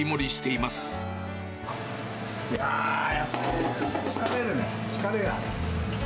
いやー、やっぱり疲れるね、疲れが。